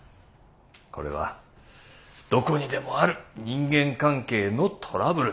これはどこにでもある人間関係のトラブルですよ。